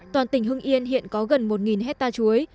toàn tỉnh hưng yên hiện có gần một hectare chuối